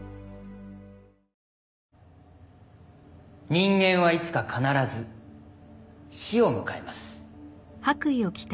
人間はいつか必ず死を迎えます。